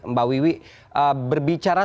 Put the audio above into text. mbak wiwi berbicara